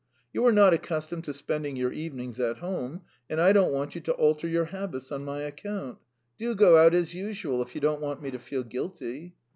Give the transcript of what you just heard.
You are not accustomed to spending your evenings at home, and I don't want you to alter your habits on my account. Do go out as usual, if you don't want me to feel guilty."